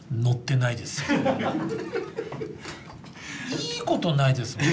いいことないですもん